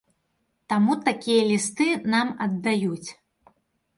Таму такія лісты нам аддаюць.